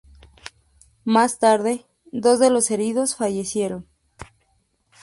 Más tarde, dos de los heridos fallecieron.